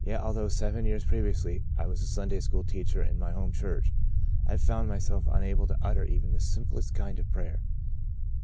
Yet although seven years previously I was a Sunday school teacher in my home church, I found myself unable to utter even the simplest kind of a prayer.